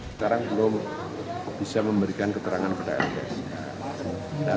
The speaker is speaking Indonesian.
sekarang belum bisa memberikan keterangan kepada lpsk